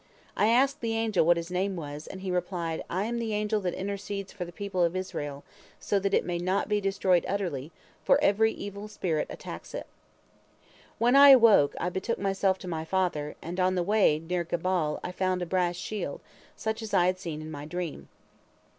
I asked the angel what his name was, and he replied: 'I am the angel that intercedes for the people of Israel, that it may not be destroyed utterly, for every evil spirit attacks it.' "When I awoke, I betook myself to my father, and on the way, near Gebal, I found a brass shield, such as I had seen in my dream.